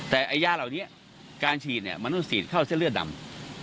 แต่ยาเหล่านี้การฉีดเนี่ยมันต้องฉีดเข้าเส้นเลือดดำ